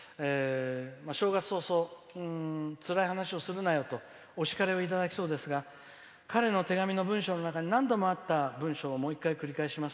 正月早々、つらい話をするなよとお叱りをいただきそうですが彼の手紙の文章の中に何度もあった文章をもう一回、繰り返します。